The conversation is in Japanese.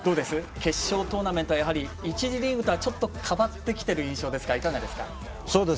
決勝トーナメントは１次リーグとは、ちょっと変わってきている印象ですか？